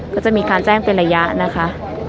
ก็จะมีการแจ้งเป็นระยะนะคะ